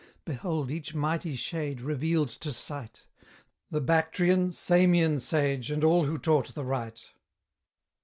Behold each mighty shade revealed to sight, The Bactrian, Samian sage, and all who taught the right!